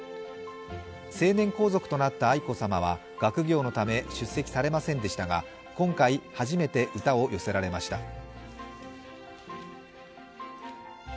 成年皇族となった愛子さまは学業のため出席されませんでしたが今回初めて歌を寄せられました。